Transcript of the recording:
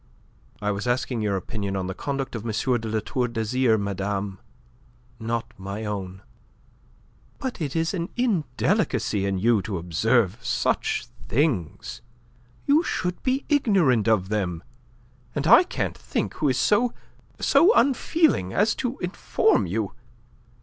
"I was asking your opinion on the conduct of M. de La Tour d'Azyr, madame. Not on my own." "But it is an indelicacy in you to observe such things. You should be ignorant of them, and I can't think who is so... so unfeeling as to inform you.